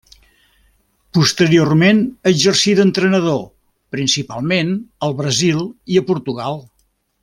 Posteriorment exercí d'entrenador, principalment al Brasil i a Portugal.